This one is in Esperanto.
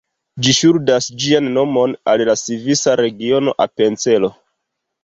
Ĝi ŝuldas ĝian nomon al la svisa regiono Apencelo.